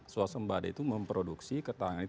swasembada itu memproduksi ketahanan